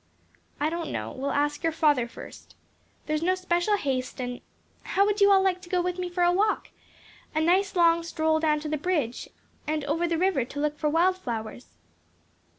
"I don't know; we'll ask your father first. There's no special haste and how would you all like to go with me for a walk? a nice long stroll down to the bridge, and over the river, to look for wild flowers."